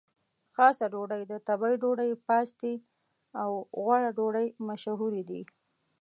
خاصه ډوډۍ، د تبۍ ډوډۍ، پاستي او غوړه ډوډۍ مشهورې دي.